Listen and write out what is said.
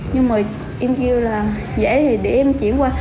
nhưng mà em kêu là dễ thì để em chuyển qua